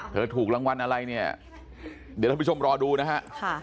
ถูกรางวัลอะไรเนี่ยเดี๋ยวท่านผู้ชมรอดูนะฮะ